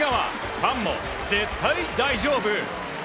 ファンも絶対大丈夫。